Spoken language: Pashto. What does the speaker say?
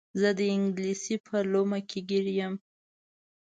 زه د انګلیس په لومه کې ګیر یم.